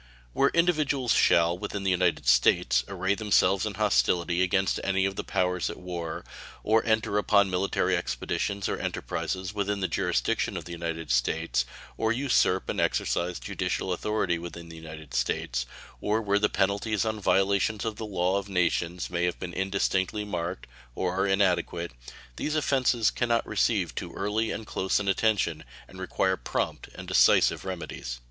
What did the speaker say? Where individuals shall, within the United States, array themselves in hostility against any of the powers at war, or enter upon military expeditions or enterprises within the jurisdiction of the United States, or usurp and exercise judicial authority within the United States, or where the penalties on violations of the law of nations may have been indistinctly marked, or are inadequate these offenses can not receive too early and close an attention, and require prompt and decisive remedies.